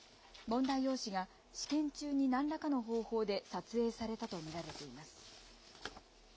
問題用紙が、試験中になんらかの方法で撮影されたと見られています。